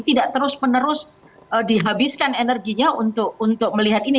tidak terus menerus dihabiskan energinya untuk melihat ini